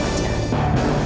dia baik baik saja